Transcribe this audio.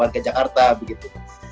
ke jakarta begitu